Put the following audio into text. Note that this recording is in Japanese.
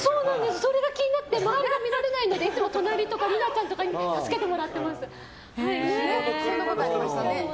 それが気になって周りが見られないのでいつも周りとか美奈ちゃんとかに神田さんも。